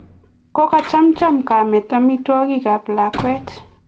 Kakochamcham kamet amitwogikap lakwet